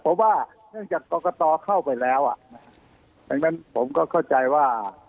ผมว่าเนื่องจากปรากฎเข้าไปแล้วดังนั้นผมก็เข้าใจว่า